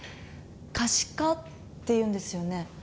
「可視化」って言うんですよね。